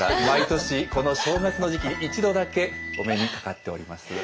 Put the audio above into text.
毎年この正月の時期に一度だけお目にかかっております。